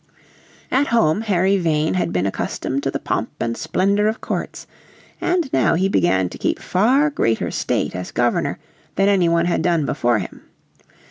At home Harry Vane had been accustomed to the pomp and splendour of courts and now he began to keep far greater state as Governor than any one had done before him.